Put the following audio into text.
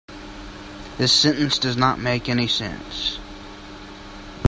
This sentence does not make any sense.